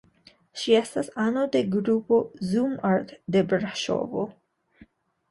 Ŝi estas ano de grupo "Zoom-art" de Braŝovo.